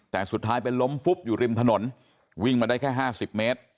แต่สุดท้ายเป็นล้มปุ๊บอยู่ริมถนนวิ่งมาได้แค่ห้าสิบเมตร